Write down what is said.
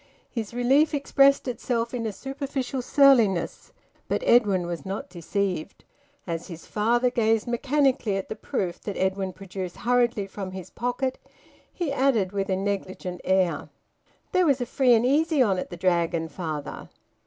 His relief expressed itself in a superficial surliness; but Edwin was not deceived. As his father gazed mechanically at the proof that Edwin produced hurriedly from his pocket, he added with a negligent air "There was a free and easy on at the Dragon, father."